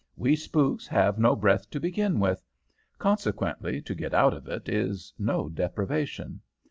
We spooks have no breath to begin with. Consequently, to get out of it is no deprivation.